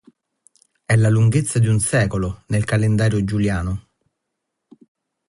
È la lunghezza di un secolo nel calendario giuliano.